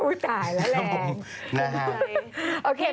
อุ้ยตายแล้วแหลง